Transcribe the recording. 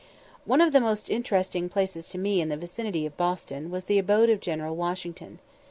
One of the most interesting places to me in the vicinity of Boston was the abode of General Washington.